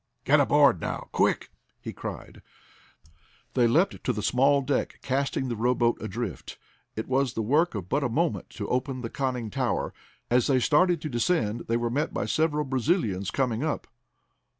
"Get aboard, now, quick!" he cried. They leaped to the small deck, casting the rowboat adrift. It was the work of but a moment to open the conning tower. As they started to descend they were met by several Brazilians coming up.